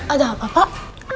ada apa pak